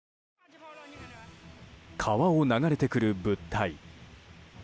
川を流れてくる物体。